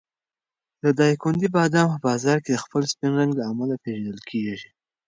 د دایکنډي بادام په بازار کې د خپل سپین رنګ له امله پېژندل کېږي.